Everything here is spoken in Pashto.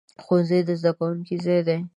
ښوونځی د زده کوونکو ځای دی.